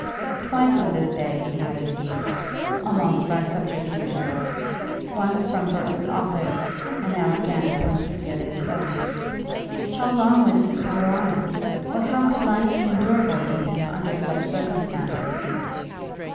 Twice on this day he had escaped, almost by subterfuges; once from Burton's office, and now again from Cecilia's presence. How long was this to go on, or how could life be endurable to him under such circumstances?